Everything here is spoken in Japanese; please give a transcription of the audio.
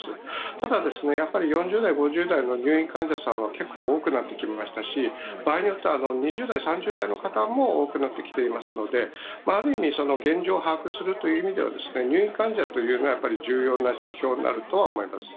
ただ、４０代、５０代の入院患者さんは結構多くなってきましたし場合によっては２０代、３０代の方も多くなってきていますのである意味現状を把握するという意味では入院患者というのはやっぱり重要な指標になるとは思います。